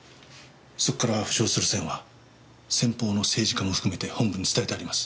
そこから浮上するセンは先方の政治家も含めて本部に伝えてあります。